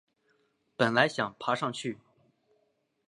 本来想爬上去